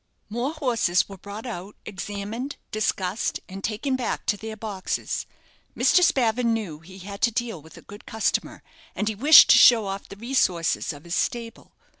More horses were brought out, examined, discussed, and taken back to their boxes. Mr. Spavin knew he had to deal with a good customer, and he wished to show off the resources of his stable.